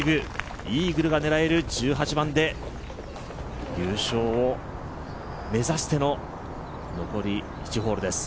イーグルが狙える１８番で優勝を目指しての残り７ホールです。